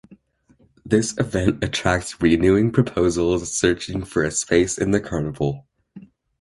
This event attracts renewing proposals searching for an space in the carnival.